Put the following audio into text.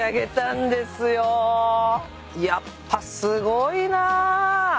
やっぱすごいな。